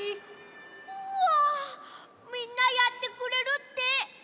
うわみんなやってくれるって！